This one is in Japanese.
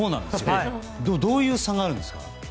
どういう差があるんですか？